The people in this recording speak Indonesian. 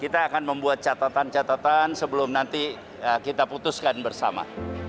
dan membuat catatan catatan sebelum kita putuskan bersama